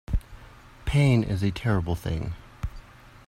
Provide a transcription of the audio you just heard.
Pain is a terrible thing.